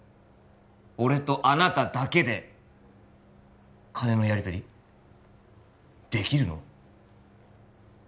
俺とあなただけで金のやり取りできるの？